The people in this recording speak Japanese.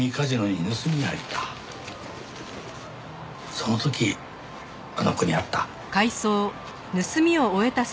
その時あの子に会った。